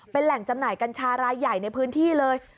เป็นแหล่งจำหน่ายกัญชารายใหญ่ในพื้นที่เลย